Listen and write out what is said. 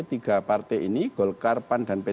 tiga partai ini golkar pan dan p tiga